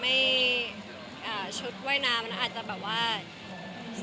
แค่ชุดว่ายนามอาจจะประมาณ่า